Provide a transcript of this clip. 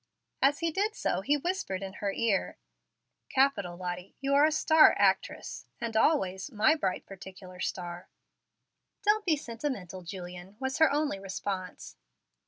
As he did so he whispered in her ear, "Capital, Lottie, you are a star actress, and always my bright particular star." "Don't be sentimental, Julian," was her only response.